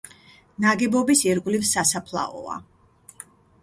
ნაგებობის ირგვლივ სასაფლაოა.